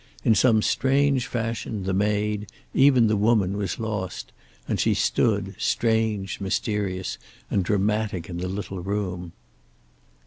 In some strange fashion the maid, even the woman, was lost, and she stood, strange, mysterious, and dramatic in the little room.